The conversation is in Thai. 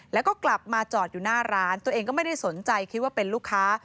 แล้วก็กลับมาจอดอยู่หน้าร้านตัวเองก็ไม่ได้สนใจคิดว่าเป็นลูกค้า